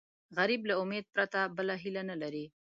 غریب له امید پرته بله هیله نه لري